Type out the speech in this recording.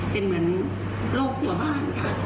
เป็นเหมือนโรคหัวบ้านค่ะ